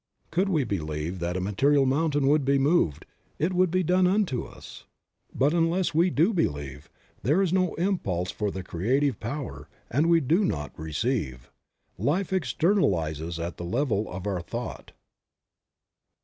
Could we believe that a material mountain would be moved, it would be done unto us. But unless we do believe there is no impulse for the creative power and we do not receive. Life externalizes at the level of our thought.